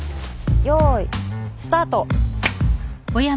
よーいスタート。